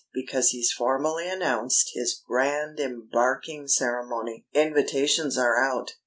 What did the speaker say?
Because he's formally announced his grand embarking ceremony! Invitations are out.